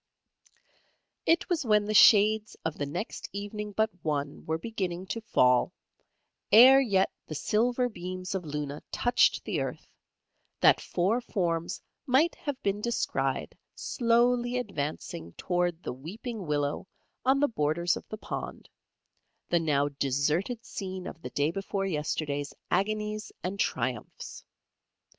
"] It was when the shades of the next evening but one were beginning to fall, 'ere yet the silver beams of Luna touched the earth, that four forms might have been descried slowly advancing towards the weeping willow on the borders of the pond, the now deserted scene of the day before yesterday's agonies and triumphs.